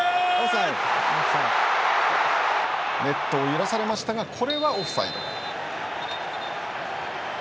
ネットを揺らされましたがこれはオフサイド。